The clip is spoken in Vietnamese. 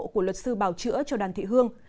của luật sư bảo chữa cho đoàn thị hương